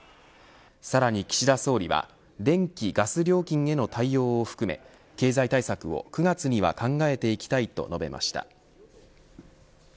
さらに岸田総理は電気・ガス料金への対応を含め経済対策を９月には考えていきたいと述べました。